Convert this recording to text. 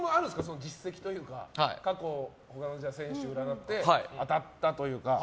実績というか過去、この選手を占って当たったというか。